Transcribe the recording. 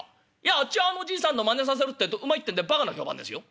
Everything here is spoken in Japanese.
あっちはあのじいさんのまねをさせるってえとうまいってんでばかな評判ですよ」。